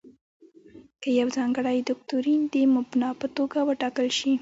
که یو ځانګړی دوکتورین د مبنا په توګه وټاکل شي.